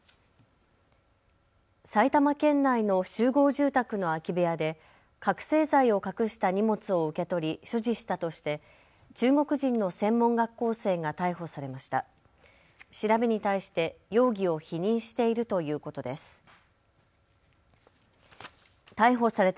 埼玉県内の集合住宅の空き部屋で覚醒剤を隠した荷物を受け取り所持したとして中国人の専門学校生が逮捕されました。